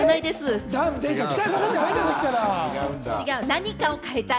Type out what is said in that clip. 何かを変えたい。